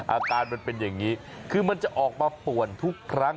อาการมันเป็นอย่างนี้คือมันจะออกมาป่วนทุกครั้ง